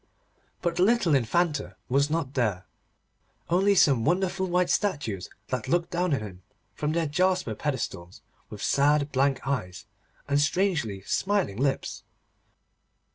But the little Infanta was not there, only some wonderful white statues that looked down on him from their jasper pedestals, with sad blank eyes and strangely smiling lips.